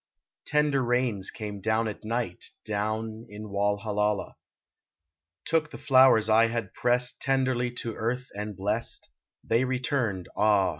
Tender rains came down at night, Down in Walhallalah Took the flowers I had pressed Tenderly to earth and blessed ; They returned, ah